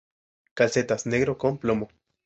Calcetas:negro con plomo.